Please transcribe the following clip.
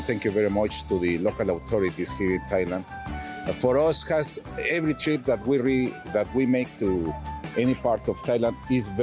เพื่อให้ชีวิตภูมิให้นิดหนึ่ง